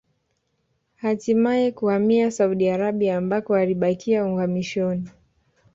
Hatimae kuhamia Saudi Arabia ambako alibakia uhamishoni